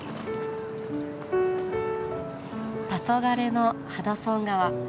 たそがれのハドソン川。